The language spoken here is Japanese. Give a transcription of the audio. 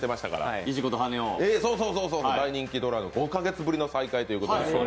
「石子と羽男」、大人気ドラマ、５か月ぶりの再会ということで。